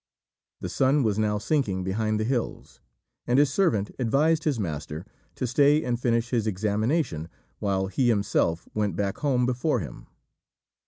The sun was now sinking behind the hills, and his servant advised his master to stay and finish his examination while he himself went back home before him.